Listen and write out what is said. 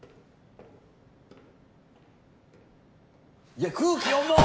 いや空気重っ！